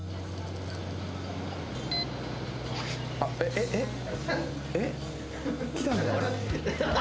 えっ？えっ？えっ？